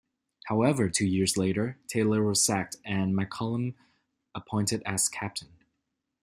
However, two years later Taylor was sacked and McCullum appointed as captain.